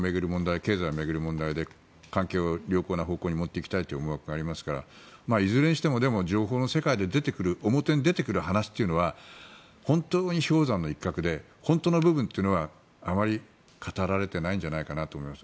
経済を巡る問題で関係を良好な方向に持っていきたいという思惑がありますからいずれにしてもでも情報の世界で表に出てくる話というのは本当に氷山の一角で本当の部分というのはあまり語られていないと思います。